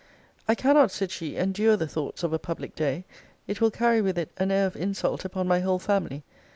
I cannot, said she, endure the thoughts of a public day. It will carry with it an air of insult upon my whole family.